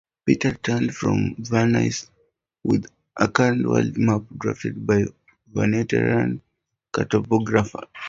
Peter returned from Venice with a current world map drafted by a Venetian cartographer.